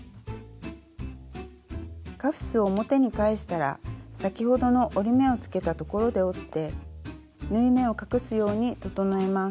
カフスを表に返したら先ほどの折り目をつけたところで折って縫い目を隠すように整えます。